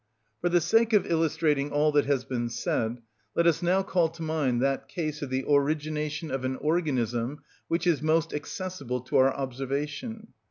For the sake of illustrating all that has been said, let us now call to mind that case of the origination of an organism which is most accessible to our observation.